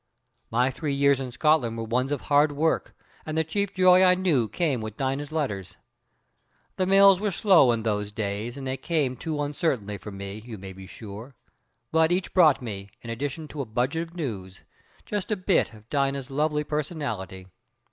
"My three years in Scotland were ones of hard work, and the chief joy I knew came with Dina's letters. The mails were slow in those days, and they came too uncertainly for me, you may be sure. But each brought me, in addition to a budget of news, just a bit of Dina's lovely personality.